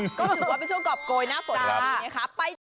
ก็ถือว่าเป็นช่วงกรอบโกยน่าป่นกว่านี้เนี่ยครับ